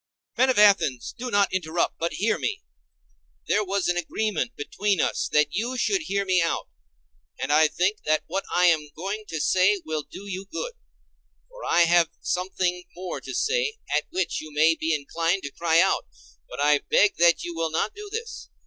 Men of Athens, do not interrupt, but hear me; there was an agreement between us that you should hear me out. And I think that what I am going to say will do you good: for I have something more to say, at which you may be inclined to cry out; but I beg that you will not do this.